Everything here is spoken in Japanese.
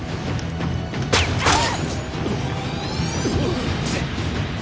あっ。